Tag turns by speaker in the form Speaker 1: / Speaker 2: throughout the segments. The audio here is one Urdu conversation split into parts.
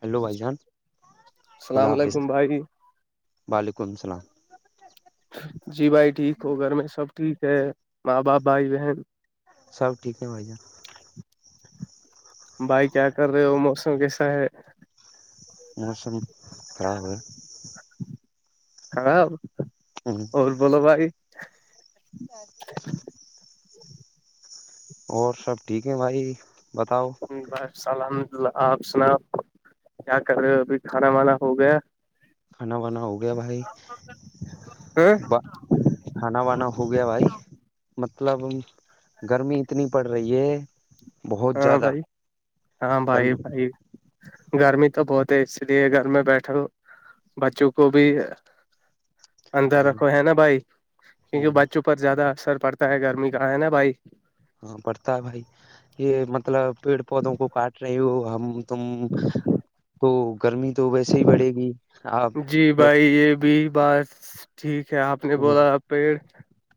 Speaker 1: ہیلو بھائی جان خدا
Speaker 2: السلام
Speaker 1: حافظ
Speaker 2: علیکم بھائی
Speaker 1: وعلیکم السلام
Speaker 2: جی بھائی ٹھیک ہو گھر میں سب ٹھیک ہے ماں باپ بھائی بہن
Speaker 1: سب ٹھیک ہے ہو جان
Speaker 2: بھائی کیا کر رہے ہو موسم کیسا ہے
Speaker 1: موسم خراب ہے
Speaker 2: خراب
Speaker 1: ہوں،
Speaker 2: اور بولو بھائی
Speaker 1: جی اور سب ٹھیک ہے بھائی بتاؤ
Speaker 2: بس الحمد اللہ آپ سناب کیا کر رہے ہو ابھی کھانا وانا ہو گیا
Speaker 1: کھانا بانا ہو گیا بھائی
Speaker 2: ہ
Speaker 1: کانا وانا ہو گیا بھائی مطلب گرمی اتنی پڑ رہی ہے بہت
Speaker 2: ہاں
Speaker 1: زیادہ
Speaker 2: بھائی ہاں بھائی
Speaker 1: گرمی
Speaker 2: بھائی گرمی تو بہت ہے اس لیے گھر میں بیٹھا بچوں کو بھی اندر
Speaker 1: ہاں
Speaker 2: رکھو ہے نا بھائی کیونکہ
Speaker 1: ہ
Speaker 2: بچوں کو پر زیادہ اثر پڑتا ہے گرمی کا ہے نا بھائی
Speaker 1: ہاں پڑھتا ہے بھائی یہ مطلب پیڑ پودوں کو کاٹ رہی ہو ہم تم تو گرمی تو ویسے ہی بڑھے گی آ
Speaker 2: جی بھائی یہ بھی بس ٹھیک ہے آپ نے بولا آپ پیڑ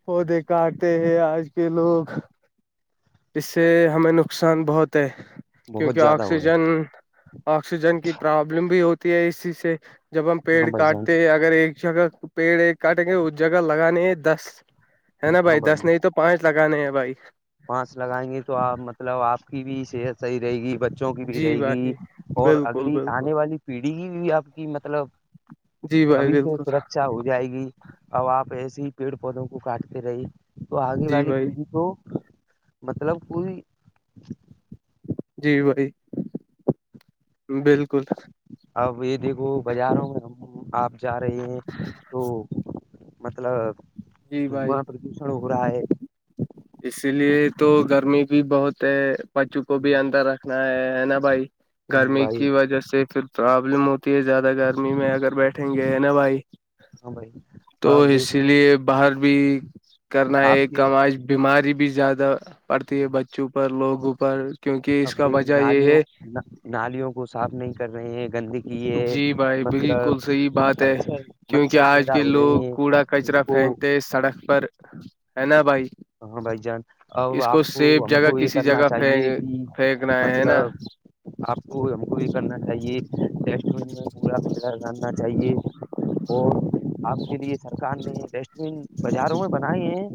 Speaker 2: پودے کاتے ہیں آج کے لوگ اسس سے ہمیں نقصان بہت ہے
Speaker 1: بہت
Speaker 2: کیونکہ
Speaker 1: زیادہ ہو رہا
Speaker 2: آکسیجن آکسیجن کی پرابلم بھی ہوتی ہے اسی سے جب ہم
Speaker 1: ہے
Speaker 2: پیڑ
Speaker 1: ہاں بھائی جان
Speaker 2: کاٹتے ہیں اگر ایک جگہ پیڑ ایک کاٹیں گے اس جگہ لگانے ہے دس ہے نا
Speaker 1: ہاں
Speaker 2: بھائی دس نہیں تو پانچ لگانے ہیں بھائی
Speaker 1: پانس لگائیں گے تو آپ مطلب آپ کی بھی صحت صحی رہے گی بچوں کی بھی
Speaker 2: جی
Speaker 1: رہے گی
Speaker 2: بھائی
Speaker 1: اور
Speaker 2: بالکل
Speaker 1: اگلی
Speaker 2: بالکل
Speaker 1: آنے والی پیڑھی کی بھی آپ کی مطلب
Speaker 2: جی بھائی
Speaker 1: ابھی سے
Speaker 2: بالکل
Speaker 1: سر اچھا ہو جائے گی اب آپ ایسے ہی پیڑ پودوں کو کاٹتے رہے تو آگے
Speaker 2: جی
Speaker 1: والی
Speaker 2: بھائی
Speaker 1: پیڑھی کو مطلب پوری
Speaker 2: جی بھائی بالکل
Speaker 1: اب یہ دیکھو بازاروں میں ہم آپ جا رہے ہیں تو مطلب
Speaker 2: جی بھائی
Speaker 1: دھواں پردوشن ہو رہا ہے
Speaker 2: اسی لیے تو گرمی بھی بہت ہے بچوں کو بھی اندر رکھنا ہے ہے نا بھائی
Speaker 1: ہاں
Speaker 2: گرمی
Speaker 1: بھائی
Speaker 2: کی وجہ سے پھر پرابلم ہوتی ہے زیادہ گرمی میں اگر بیٹھیں گے نا بھائی
Speaker 1: ہاں بھائی
Speaker 2: تو
Speaker 1: اب دیکھو
Speaker 2: اسی لیے باہر بھی کرنا ہے
Speaker 1: آپ کے
Speaker 2: کام آج بیماری بھی زیادہ پڑتی ہے بچوں پر لوگوں پر کیونکہ
Speaker 1: اب
Speaker 2: اس کا
Speaker 1: دیک
Speaker 2: وجہ یہ
Speaker 1: نالیوں
Speaker 2: ہے
Speaker 1: نا- نالیوں کو صاف نہیں کر رہے ہیں گندگی ہے
Speaker 2: جی بھائی بالکل
Speaker 1: مطلب
Speaker 2: صحیح بات ہے
Speaker 1: مچھر
Speaker 2: کیونکہ
Speaker 1: مچھر
Speaker 2: آج
Speaker 1: پیدا
Speaker 2: کے
Speaker 1: ہو رہے
Speaker 2: لوگ
Speaker 1: ہیں
Speaker 2: کوڑا کچرا
Speaker 1: ان کو
Speaker 2: پھینکتے سڑک پر ہے نا بھائی
Speaker 1: ہاں بھائی جان اب
Speaker 2: اس
Speaker 1: آپ کو
Speaker 2: سیف
Speaker 1: ہم کو
Speaker 2: جگہ
Speaker 1: یہ
Speaker 2: کسی
Speaker 1: کرنا
Speaker 2: جگہ
Speaker 1: چاہیے کہ
Speaker 2: پھینک پھینکنا ہے نا
Speaker 1: مطلب آپ کو ہم کو بھی کرنا چاہیے ٹیسٹ میں پڑا کچراگالنا چاہیے اور آپ کے لیے سرکار نے ڈسٹ بین بازاروں میں بنائے ہیں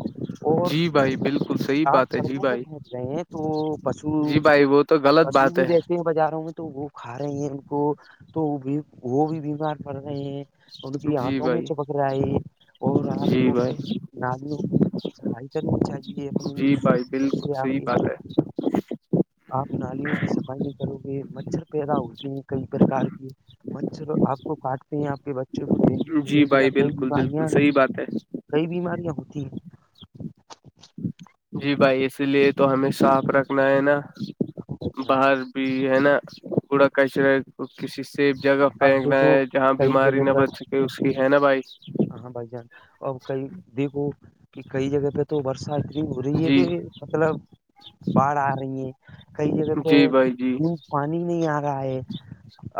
Speaker 1: اور
Speaker 2: جی بھائی بالکل صحیح
Speaker 1: آپ
Speaker 2: بات ہے جی
Speaker 1: سڑکوں پہ
Speaker 2: بھائی
Speaker 1: پھینک رہے ہیں تو پشو
Speaker 2: جی بھائی وہ تو غلط
Speaker 1: پشو
Speaker 2: بات
Speaker 1: بھی
Speaker 2: ہے
Speaker 1: رہتے ہیں بازاروں میں تو وہ کھا رہے ہیں ان کو تو بھی وہ بھی بیمار پڑ رہے ہیں ان کی
Speaker 2: جی
Speaker 1: آنتوں میں
Speaker 2: بھائی
Speaker 1: چپک رہا ہے اور آپ
Speaker 2: جی بھائی
Speaker 1: نالیوں کو صفائی کرنی چاہیے اپنی
Speaker 2: جی بھائی
Speaker 1: گھر
Speaker 2: بالکل
Speaker 1: پہ
Speaker 2: صحیح
Speaker 1: آگے
Speaker 2: [unintelligible]
Speaker 1: آپ نالیوں کی صفائی کرو گے مچھر پیدا ہوتے ہیں کئی پرکار کی مچھر آپ کو کاٹتے ہیں آپ کے بچوں کو ڈینگو
Speaker 2: ہے جی
Speaker 1: ملیریا
Speaker 2: بھائی
Speaker 1: کئی
Speaker 2: بالکل بالکل
Speaker 1: بیماریاں
Speaker 2: صحیح بات ہے
Speaker 1: کئی بیماریاں ہوتی ہیں
Speaker 2: جی بھائی اسی لیے تو ہمیں صاف رکھنا ہے نا
Speaker 1: ہیں
Speaker 2: باہر ہے نا کوڑا کچرا کسی سیف جگہ
Speaker 1: اب
Speaker 2: پھینکنا
Speaker 1: دیکھو
Speaker 2: ہے جہاں
Speaker 1: کئی
Speaker 2: بیماری
Speaker 1: جگہ
Speaker 2: نہ
Speaker 1: پر
Speaker 2: بچ سکے اس کی ہے نا بھائی
Speaker 1: ہاں بھائی جان اب کئی دیکھو کہ کئی جگہ پہ تو برشا اتنی ہو رہی ہے
Speaker 2: جی
Speaker 1: کہ مطلب باڑھ آ رہی ہے کئی جگہ پہ
Speaker 2: جی بھائی جی
Speaker 1: دپ پانی نہیں آ رہا ہے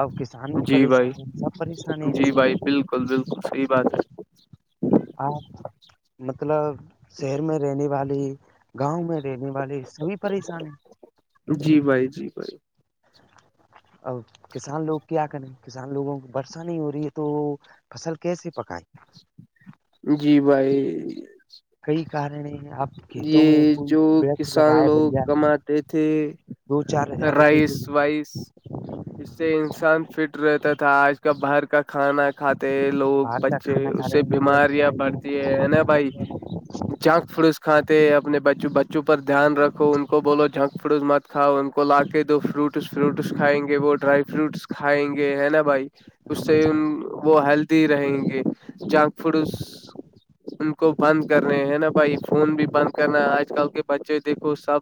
Speaker 1: اب کسان بھی
Speaker 2: جی بھائی
Speaker 1: پریشان ہیں سب پریشان ہیں اس
Speaker 2: جی
Speaker 1: سے
Speaker 2: بھائی بالکل بالکل صحی بات ہے
Speaker 1: آپ مطلب شہر میں رہنے والی گاؤں میں رہنے والے سبھی پریشانی
Speaker 2: جی بھائی جی بھائی
Speaker 1: اور کسان لوگ کیا کریں کسان لوگوں کو برسا نہیں ہو رہی ہے تو فصل کیسی پکائی
Speaker 2: جی بھائی
Speaker 1: کئی کارن آپ کھیتوں میں
Speaker 2: یہ
Speaker 1: کوئی
Speaker 2: جو
Speaker 1: پرچ
Speaker 2: کسان
Speaker 1: لگائے
Speaker 2: لوگ
Speaker 1: بڑھیا
Speaker 2: کماتے تھے
Speaker 1: دو چار ہزار روپئے کی
Speaker 2: رائس وائس اس سے انسان فٹ رہتا تھا آج کال باہر کا کھانا کھاتے ہیں لوگ
Speaker 1: باہر کا
Speaker 2: بچے
Speaker 1: کھانا کھا
Speaker 2: اس
Speaker 1: رہے
Speaker 2: سے
Speaker 1: ہیں نوڈل
Speaker 2: بیماریاں
Speaker 1: چائنیز
Speaker 2: بڑھتی ہے نا بھائی
Speaker 1: [unintelligible]
Speaker 2: جگ پس کھاتے ہیں اپنے بچ بچوں پر دھیان رکھو ان کو بولو جھنک فروز مت کھاؤ ان کو لا کے دو فروٹ ف فروٹس کھائیں گے وہ ڈرائی فروٹس کھائیں گے ہے نا بھائی
Speaker 1: ہاں
Speaker 2: اس سے
Speaker 1: بھائی
Speaker 2: وہ ہیلدی رہیں گے جنک فوڈ کو بند کرنے ہیں نا بھائی فون بھی
Speaker 1: جان،
Speaker 2: بند کرنا ہے آج کل کے بچے دیکھو سب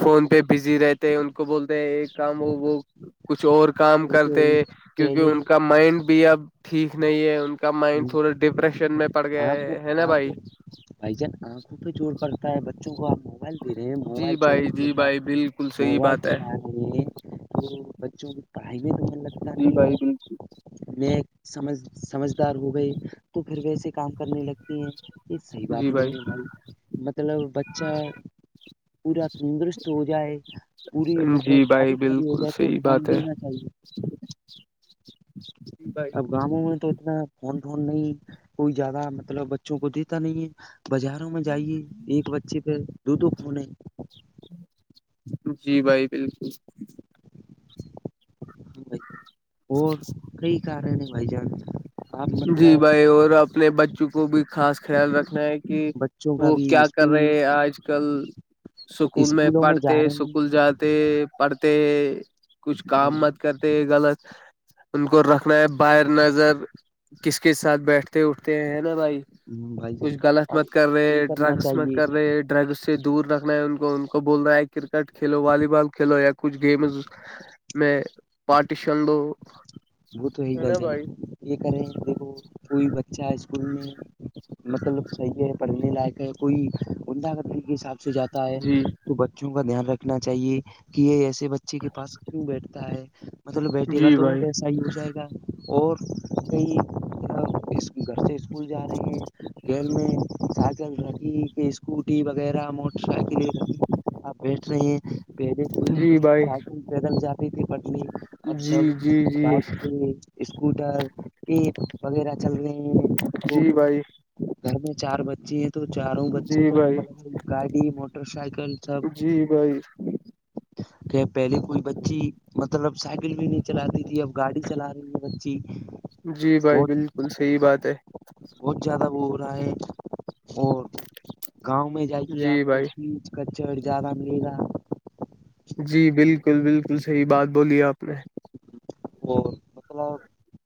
Speaker 2: فون پہ بزی رہتے ہیں ان کو بولتے یہ کام ہو وہ کچھ اور کام
Speaker 1: وہ تو
Speaker 2: کرتے
Speaker 1: یہی
Speaker 2: ہیں کیونکہ
Speaker 1: پہلے
Speaker 2: ان کا مائنڈ بھی اب ٹھیک نہیں ہے ان کا مائنڈ تھوڑا ڈپریشن میں پڑ گیا
Speaker 1: آنکھوں
Speaker 2: ہے نا بھائی
Speaker 1: آنکھوں بھائی جان آنکھوں پہ چور پڑتا ہے بچوں کو آپ موبائل پے
Speaker 2: جی
Speaker 1: موبائل
Speaker 2: بھائی
Speaker 1: چوبس
Speaker 2: جی
Speaker 1: ہوتا
Speaker 2: بھائی بالکل صحیح
Speaker 1: موبائل
Speaker 2: بات ہے
Speaker 1: چلا تو بچوں کی پڑھائی میں لگ
Speaker 2: جی بھائی بالکل
Speaker 1: میں سمجھ سمجھدار ہو گئے تو پھر ویسے کام کرنے لگتے ہیں یہ صحیح بات نہیں ہے بھائی مطلب بچہ پا تندرست ہو جائے پوری
Speaker 2: جی
Speaker 1: مطلب ساری بھاری ہو
Speaker 2: بالکل
Speaker 1: جائے تو
Speaker 2: صحیح
Speaker 1: فون
Speaker 2: بات ہے
Speaker 1: دینا چاہیے
Speaker 2: بھائی
Speaker 1: اب گاؤوں میں تو اتنا فون ٹون نہیں کوئی زیادہ مطلب بچوں کو دیتا نہیں ہے بازاروں میں جائیے ایک بچے پہ دو دو کھنے
Speaker 2: جی بھائی بالکل
Speaker 1: بھائی اور کئی کارے ہیں بھائی جان آپ
Speaker 2: جی
Speaker 1: مطلب
Speaker 2: بھائی اور اپنے بچوں کو بھی خاص خیال رکھنا ہے کہ
Speaker 1: بچوں کا
Speaker 2: وہ
Speaker 1: بھی
Speaker 2: کیا کر
Speaker 1: اسکول
Speaker 2: رہے آج کل سکول میں
Speaker 1: اسکولوں جا
Speaker 2: پڑھتے
Speaker 1: رہے
Speaker 2: سکول جاتے پڑھتے کچھ
Speaker 1: ہیں
Speaker 2: کام مت کرتے غلط ان کو رکھنا ہے باہر نظر کس کے ساتھ بیٹھتے اٹھتے ہیں نا بھائی
Speaker 1: بھائی
Speaker 2: کچھ
Speaker 1: جان
Speaker 2: غلط
Speaker 1: اب
Speaker 2: مت کر
Speaker 1: یہ
Speaker 2: رہے
Speaker 1: کرنا
Speaker 2: ڈرگس مت
Speaker 1: چاہیے
Speaker 2: کر رہے ڈرگس سے دور رکھنا ہے ان کو ان کو بول رہ ہے کرکٹ کھیلو والی بال کھیلو کچھ گیمز میں پارٹیشن
Speaker 1: وہ تو ہے بھائی جان یہ کریں دیکھو کوئی بچہ اسکول میں مطلب صحیح ہے پڑھنے لائق ہے کوئی عمدہ قدری کے حساب سے جاتا ہے
Speaker 2: جی
Speaker 1: تو بچوں کا دھیان رکھنا چاہیے کہ یہ ایسے بچے کے پاس کیوں بیٹھتا ہے مطلب بیٹھے کا
Speaker 2: جی
Speaker 1: تو
Speaker 2: بھائی
Speaker 1: ویسا ہی ہو جائے گا اور کئی اس گھر سے اسکول جا رہے ہیں گیل میں سائیکل رکی کہ اسکوٹی وغیرہ موٹر سائیکل آپ بیٹھ رہے ہیں پہلے کوئی
Speaker 2: جی بھائی
Speaker 1: سائیکل پیدل جاتی تھی پٹلی
Speaker 2: جی جی جی
Speaker 1: بائک سے اسکوٹر یہ وغیرہ چل رہے ہیں وہ
Speaker 2: جی بھائی
Speaker 1: گھر میں چار بچے ہیں تو چاروں بچے
Speaker 2: جی
Speaker 1: کا
Speaker 2: بھائی
Speaker 1: الگ الگ گاڑی موٹر سائیکل سب
Speaker 2: جی بھائی
Speaker 1: کہ پہلے کوئی بچی مطلب سائیکل بھی نہیں چلاتی تھی اب گاڑی چلا رہی ہے بچی
Speaker 2: جی بھائی
Speaker 1: بہت
Speaker 2: بالکل صحیح بات ہے
Speaker 1: بہت زیادہ وہ ہو رہا ہے اور گاؤں میں جائیے آپ
Speaker 2: جی
Speaker 1: کو
Speaker 2: بھائی
Speaker 1: کہ کچ اور جیادہ ملے گا
Speaker 2: جی بالکل بالکل صحیح بات بولی ہے آپ نے
Speaker 1: اور مطلب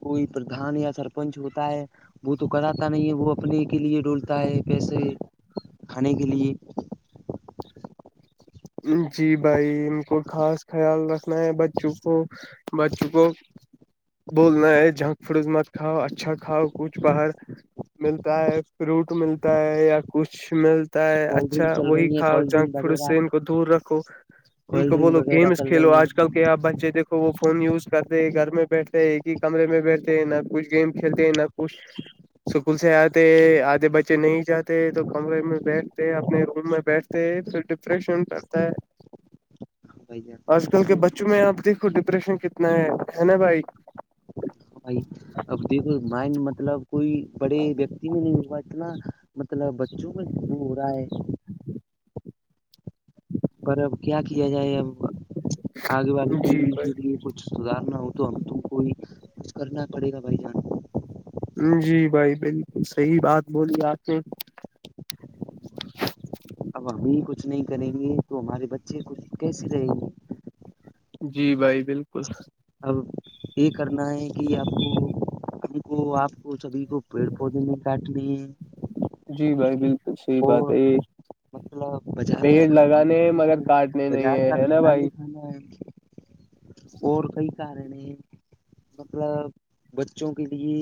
Speaker 1: کوئی پردھان یا سرپنچ ہوتا ہے وہ تو کراتا نہیں ہے وہ اپنے کے لیے ڈولتا ہے پیسے کھانے کے لیے
Speaker 2: جی بھائی ان کو خاص خیال رکھنا ہے بچوں کو بچوں کو بولنا ہے جھنک پڑوس مت کاؤ اچھا کھاؤ کچھ باہر ملتا ہے فروٹ ملتا ہے یا کچھ مل تا ہے
Speaker 1: کولڈ
Speaker 2: اچھا
Speaker 1: ڈرنک چل
Speaker 2: وہی
Speaker 1: رہی ہے
Speaker 2: کھاؤ
Speaker 1: کولڈ
Speaker 2: جنک
Speaker 1: ڈرنک
Speaker 2: فڈ
Speaker 1: وغیرہ
Speaker 2: دور رکھو ان
Speaker 1: کولڈ
Speaker 2: کو
Speaker 1: ڈرنک
Speaker 2: بولو
Speaker 1: وغیرہ
Speaker 2: گیمس
Speaker 1: چل
Speaker 2: کھیلو
Speaker 1: رہی ہیں
Speaker 2: آج کل کہ آپ بچے دھو وہ فون یوز کرتے ہیں گھر میں بیٹھتے ہیں ایک ہی کمے میں بیٹھتے ہیں نہ کچھ گیم کھیلتے ہیں نہ کچھ اسکول سے آتے آتے بچے نہیں جاتے تو کمرے میں بیٹھتے اپنے روم میں بیٹھتے پھر ڈپریشن تا ہے
Speaker 1: بھائی
Speaker 2: آج کل کے
Speaker 1: جان
Speaker 2: بچوں میں آپ دیکھ ڈپریشن کتنا ہے ہے نا بھائی
Speaker 1: [unintelligible] بھائی اب دیکھو مائنڈ مطلب کوئی بڑے ویکتی میں نہیں ہوا اتنا مطلب بچوں کا جب ہو رہا ہے پر اب کیا کیا جائے اب آگے والی
Speaker 2: جی
Speaker 1: پیڑھی
Speaker 2: بھائی
Speaker 1: کے لیے کچھ سدار نہ ہو تو ہم تو کوئی ک کرنا پڑے گا بائی جان
Speaker 2: جی بھائی بالکل صحیح بات بولی آ کے
Speaker 1: اب ہم بھی کچھ نہیں کریں گے تو ہمارے بچے کچھ کیسے رہیں گے
Speaker 2: جی بھائی بالکل
Speaker 1: اب یہ کرنا ہے کہ آپ کو ان کو آپ وہ سبھی کو پیڑ پودے نہیں کاٹنے ہیں
Speaker 2: جی بھائی بالکل صحی بات
Speaker 1: اور
Speaker 2: ہے یہ
Speaker 1: مطلب بازار کا
Speaker 2: پیڑ
Speaker 1: کھانا نہیں
Speaker 2: لگانے
Speaker 1: کھانا
Speaker 2: مگر
Speaker 1: ہے
Speaker 2: کاٹنے نہیں
Speaker 1: بازار
Speaker 2: ہے
Speaker 1: کا
Speaker 2: ہے نا
Speaker 1: کھانا
Speaker 2: بھائی
Speaker 1: نہیں کھانا ہے اور کئی کارن ہیں مطلب بچوں کے لیے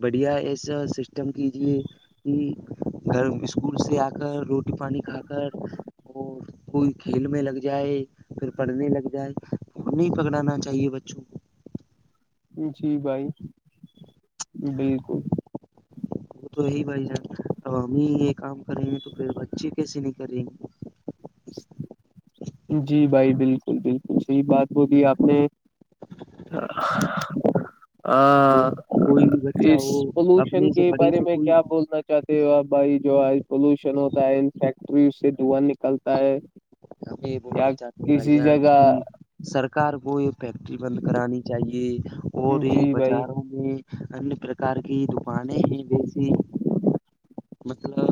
Speaker 1: بڑھیا ایسا سسٹم کیجیے کہ گھر اسکول سے آ کر روٹی پانی کھا کر اور کوئی کھیلنے لگ جائے پھر پڑھنے لگ جائے تو نہیں پکڑانا چاہیے بچوں کو
Speaker 2: جی بھائی بالکل
Speaker 1: وہ تو یہی بھائی جان اب ہم ہی یہ کام کریں گے تو پھر بچے کیسے نہیں کر رہیںے
Speaker 2: ج جی بھائی بالکل بالکل صحیح بات بولی آپ نے ہ
Speaker 1: وہ کوئی بھی بچہ
Speaker 2: اس
Speaker 1: ہو
Speaker 2: پولوشن
Speaker 1: اپنے
Speaker 2: کے
Speaker 1: سے بڑے
Speaker 2: بارے
Speaker 1: سے
Speaker 2: میں
Speaker 1: کوئی
Speaker 2: کیا بولنا چاہتے ہو بھائی جو آ پولوشن ہوتا ہے ان فیکٹری سے دھواں نکلتا ہے یا
Speaker 1: بولنا چان بائی
Speaker 2: کسی
Speaker 1: جان
Speaker 2: جگہ
Speaker 1: کی سرکار کو یہ فیکٹری بند کرانی چاہیے اور یہ
Speaker 2: جی بھائی
Speaker 1: بازاروں میں ان پرکار کی دکانیں ہیں جسی مطلب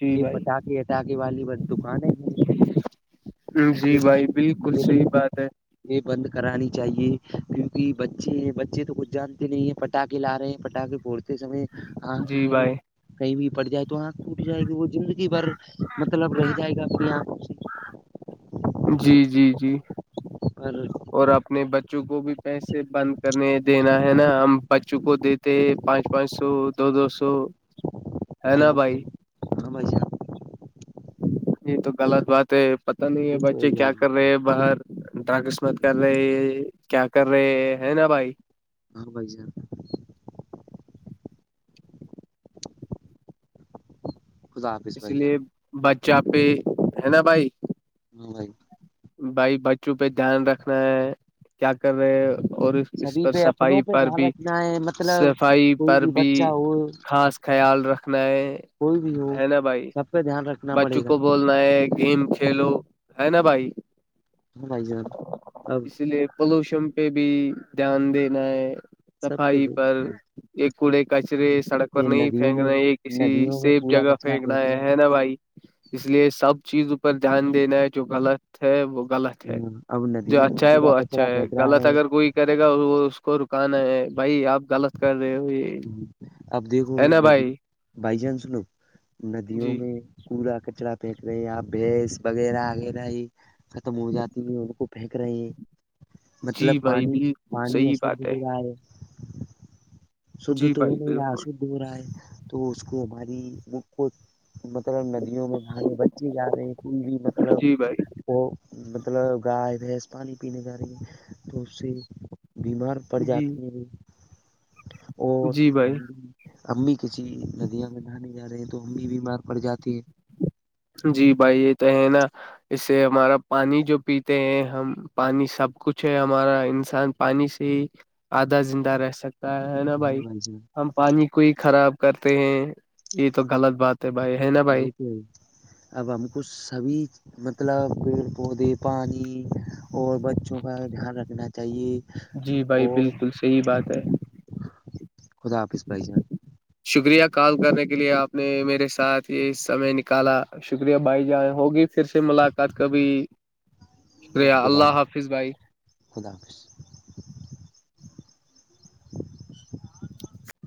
Speaker 2: جی
Speaker 1: یہ
Speaker 2: بھائی
Speaker 1: پٹاخے ہٹااکے والی بس دکانیں ہیں
Speaker 2: جی
Speaker 1: یہ
Speaker 2: بھائی بالکل صحیح بات ہے
Speaker 1: یہ بند کرانی چاہیے کیونکہ بچے بچے تو کچھ جانتے نہیں ہے پٹاخے لا رہے ہیں پٹاخے پھڑتے سمے آنکھ
Speaker 2: جی
Speaker 1: میں
Speaker 2: بھائی
Speaker 1: کہیں بھی پڑ جائے تو آنکھ وٹ جائے گی وہ زندگی بھر مطلب رہ جائے گا اپنی آنکھوں سے
Speaker 2: جی جی جی
Speaker 1: اوراں
Speaker 2: اور اپنے بچوں کو بھی پیسے بند کرنے دینا ہے نا ہم بچوں کو پچ پانچ سو دو دو سو ہے نا بھائی
Speaker 1: ہماں آپ
Speaker 2: یہ تو غلط بات ہے پت نہیں ہے
Speaker 1: وہ تو
Speaker 2: بچے
Speaker 1: ہی
Speaker 2: کیا
Speaker 1: بھائی جان
Speaker 2: کر رہے باہر ڈرگس مت کر رہے کیا کر رہے ہے نا بھائی
Speaker 1: ہاں بائی سر خدا حافظ
Speaker 2: اس
Speaker 1: بھائی
Speaker 2: لیے
Speaker 1: جان
Speaker 2: بچہ پہ ہے نا بھائی
Speaker 1: بھائی
Speaker 2: بھائی بچوں پہ دھیان رکھنا ہے کیا کر رہے اور اس اس
Speaker 1: سبھی
Speaker 2: پر
Speaker 1: پہ اپنوں
Speaker 2: صفائی
Speaker 1: پہ
Speaker 2: پر
Speaker 1: دھیان
Speaker 2: بھی
Speaker 1: رکھنا ہے مطلب
Speaker 2: صفائی
Speaker 1: کوئی
Speaker 2: پر بھی
Speaker 1: بچہ ہو
Speaker 2: خاص خیال رکھنا ہے
Speaker 1: کوئی بھی ہو
Speaker 2: ہے نا بھائی
Speaker 1: سب پہ دھیان رکھنا
Speaker 2: بچوں
Speaker 1: پڑے گا
Speaker 2: کو بول گیم کھیلو ہے نا بھائی
Speaker 1: لائی ج ا [unintelligible] [inaudible]
Speaker 2: اسی لیے پولوشن پہ بھی دھیان دینا ہے
Speaker 1: سب پہ
Speaker 2: صفائی پر
Speaker 1: یہ
Speaker 2: ایک کوڑے کچرے سڑک پر نہیں
Speaker 1: ندیوں
Speaker 2: پھینک
Speaker 1: میں
Speaker 2: رہے یہ کسی
Speaker 1: ندیوں میں
Speaker 2: سیف
Speaker 1: کوڑا
Speaker 2: جگہ
Speaker 1: کچرا
Speaker 2: پھیکناا
Speaker 1: پھینک
Speaker 2: ہے
Speaker 1: رہے
Speaker 2: ہے
Speaker 1: ہیں
Speaker 2: نا بھائی اس لیے سب چیزپ دھیان دینا ہے جو غلط ہے وہ غلط
Speaker 1: ہ اب
Speaker 2: جو
Speaker 1: ندیوں میں
Speaker 2: اچھا ہے وہ
Speaker 1: کوڑا
Speaker 2: اچھا
Speaker 1: کچرا
Speaker 2: ہے
Speaker 1: پھینک رہا
Speaker 2: غلط اگر کوئی
Speaker 1: ہے
Speaker 2: کرے گا وہ اس کو رکانا ہے بھائی آپ غلط کر رہے ہو یہ
Speaker 1: اب دیکھو
Speaker 2: ہے نا
Speaker 1: ندی
Speaker 2: بھائی
Speaker 1: بائی چانس س لو ندیوں
Speaker 2: جی
Speaker 1: میں کوڑا کچڑا پھینک رہے آپ بھیس وغیرہ وغیرہ ہی ختم ہو جاتی ہے ان کو پھینک رہے ہیں مطلب
Speaker 2: جی بھائی
Speaker 1: پانی
Speaker 2: بالکل
Speaker 1: پانی
Speaker 2: صحیح
Speaker 1: اشھ
Speaker 2: بات
Speaker 1: ہو رہا ہے شھ
Speaker 2: جی
Speaker 1: تو ہو
Speaker 2: بھائی
Speaker 1: نہیں رہا
Speaker 2: بالکل
Speaker 1: شھ ہو رہا ہے تو اس کو ہماری کو مطلب ندیوں میں بانے بچے جا رہے ہیں کوئی بھی مطلب
Speaker 2: جی بھائی
Speaker 1: وہ مطلب گائے بھیس پانی پینے جا رہی ہے تو اس سے بیمار
Speaker 2: جی
Speaker 1: پرجاتی ہیں بھی اور
Speaker 2: جی بھائی
Speaker 1: ہم امی کسی ندیاں میں نہانے جا رہے ہیں تو امی بھی مار پڑ جاتی ہے
Speaker 2: جی بھائی یہ تو ہے نا اس سے ہمارا پانی جو پیتے ہیں ہم پانی سب کچھ ہے ہمارا انسان پانی سے ہی آدھا زندہ رہ سکتا ہے نا
Speaker 1: ہاں
Speaker 2: بھائی
Speaker 1: جان
Speaker 2: ہم پانی کو ہی خراب کرتے ہیں یہ تو غلط بات تو بھائی ہے نا بھائی
Speaker 1: ج اب ہم کو سبھی مطلب پیڑ پودے پانی اور بچوں کا دھیان رکھنا چاہیے
Speaker 2: جی بھائی
Speaker 1: اور
Speaker 2: بالکل صحیح بات ہے
Speaker 1: خدا آپ اس پرائز میں
Speaker 2: شکریہ کال کرنے کے لیے آپ نے میرے ساتھ یہ سمے نکالا شکریہ بائی جان ہوگی پھر سے ملاقات کا بھیھی شکریہ اللہ حافظ بھائی
Speaker 1: خداظ